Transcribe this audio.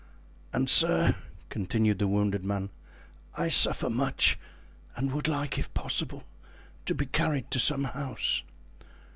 "And, sir," continued the wounded man, "I suffer much and would like, if possible, to be carried to some house."